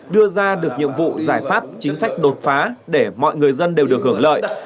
đưa ra được nhiệm vụ giải pháp chính sách đột phá để mọi người dân đều được hưởng lợi